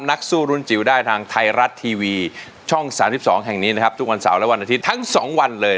นักสู้รุ่นจิ๋วได้ทางไทยรัฐทีวีช่อง๓๒แห่งนี้นะครับทุกวันเสาร์และวันอาทิตย์ทั้ง๒วันเลย